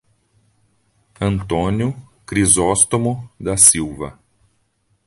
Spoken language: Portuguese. Antônio Crizostomo da Silva